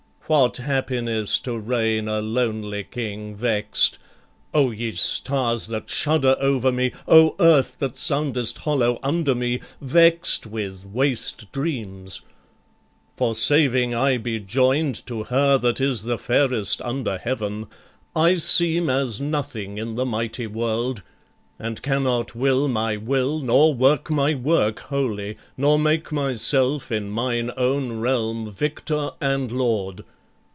What happiness to reign a lonely king, Vext O ye stars that shudder over me, O earth that soundest hollow under me, Vext with waste dreams? for saving I be join'd To her that is the fairest under heaven, I seem as nothing in the mighty world, And cannot will my will, nor work my work Wholly, nor make myself in mine own realm Victor and lord.